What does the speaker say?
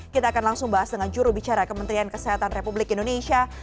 kita akan langsung bahas dengan juru bicara kementerian kesehatan republik indonesia